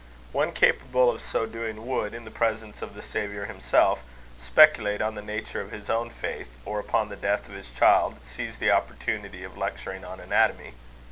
One capable of so doing would, in the presence of the Saviour himself, speculate on the nature of his own faith; or upon the death of his child, seize the opportunity of lecturing on anatomy.